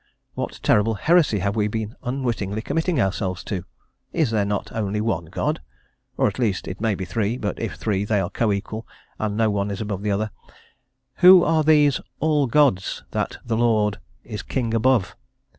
what terrible heresy have we been unwittingly committing ourselves to? Is there not only one God or, at least, it may be three but, if three, they are co equal, and no one is above the other; who are these "all gods" that "the Lord" is "king above?"